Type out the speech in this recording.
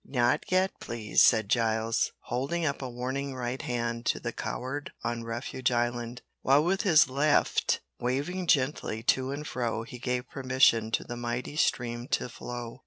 "Not yet, please," said Giles, holding up a warning right hand to the crowd on refuge island, while with his left waving gently to and fro he gave permission to the mighty stream to flow.